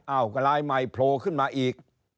อ้าวรายใหม่โพลขึ้นมาอีก